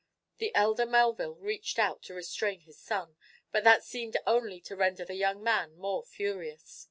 The elder Melville reached out to restrain his son, but that seemed only to render the young man more furious.